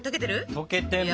溶けてる？